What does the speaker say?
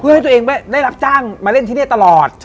เพื่อให้ตัวเองได้รับจ้างมาเล่นที่นี่ตลอด